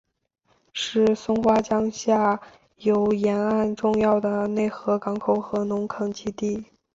是松花江下游沿岸重要的内河港口和农垦基地。